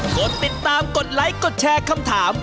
กดติดตามกดไลค์กดแชร์คำถาม